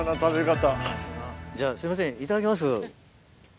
じゃあすいませんいただきます。